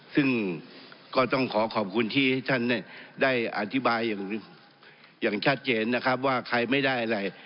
ซึ่งก็ต้องขอขอบคุณที่ท่านได้อธิบายอย่างชัดเจนนะครับว่าใครไม่ได้อะไร